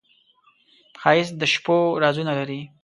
ښایست د شپو رازونه لري